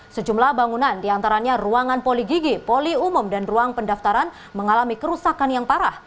sejumlah bangunan diantaranya ruangan poligigi poli umum dan ruang pendaftaran mengalami kerusakan yang parah